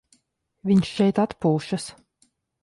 Viņš šeit atpūšas.